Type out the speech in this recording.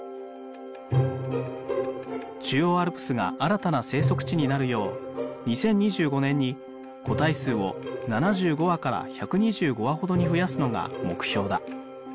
中央アルプスが新たな生息地になるよう２０２５年に個体数を７５羽から１２５羽ほどに増やすのが目標だ。